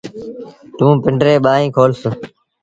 توٚنٚ پنڊريٚݩ ٻآهيݩ کولس